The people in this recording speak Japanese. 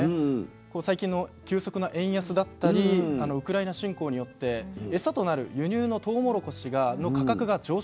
最近の急速な円安だったりウクライナ侵攻によってエサとなる輸入のトウモロコシの価格が上昇しているんですね。